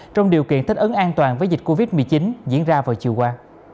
trong điều kiện thích ứng an toàn với dịch covid một mươi chín diễn ra vào chiều qua